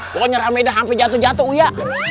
pokoknya rame dah ampe jatuh jatuh wia